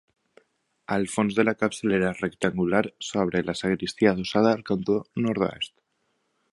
Al fons de la capçalera rectangular, s'obre la sagristia adossada al cantó nord-oest.